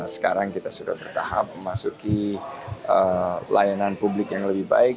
sekarang kita sudah bertahap memasuki layanan publik yang lebih baik